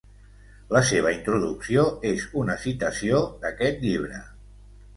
La seva introducció és una citació d'aquest llibre.